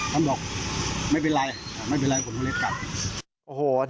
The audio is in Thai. ท่านบอกไม่เป็นไรไม่เป็นไรผมขอเล็กกัน